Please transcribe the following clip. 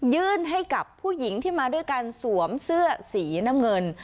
ยื่นให้กับผู้หญิงที่มาด้วยกันสวมเสื้อสีน้ำเงิน